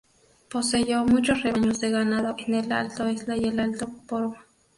Poseyó muchos rebaños de ganado en el alto Esla y el alto Porma.